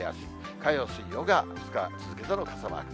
火曜、水曜が２日続けての傘マーク。